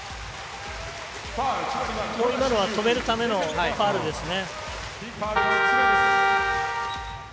今のは止めるためのファウルですね。